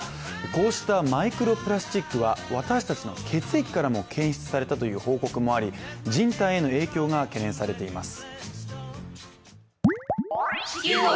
こうしたマイクロプラスチックは私たちの血液からも検出されたという報告もあり人体への影響が懸念されています。